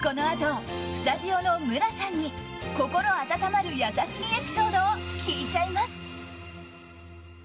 このあと、スタジオの無良さんに心温まる優しいエピソードを聞いちゃいます。